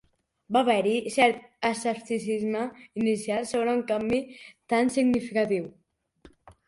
Va haver-hi cert escepticisme inicial sobre un canvi tan significatiu.